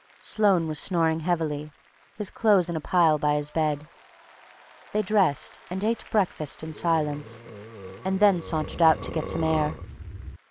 Sloane was snoring heavily, his clothes in a pile by his bed. They dressed and ate breakfast in silence, and then sauntered out to get some air.